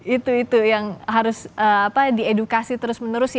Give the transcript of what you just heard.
itu itu yang harus diedukasi terus menerus